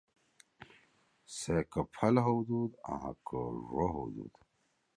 سے کہ پھل ہؤدُود آں کہ ڙو ہؤدُود۔ ۔